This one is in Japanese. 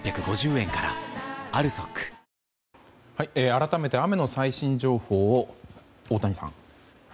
改めて雨の最新情報を太谷さん。